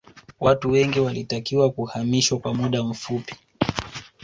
watu wengi walitakiwa kuhamishwa kwa muda mfupi